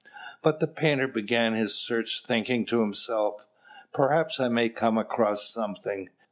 But the painter began his search, thinking to himself, "Perhaps I may come across something."